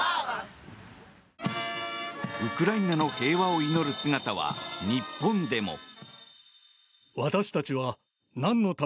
ウクライナの平和を祈る姿は日本でも。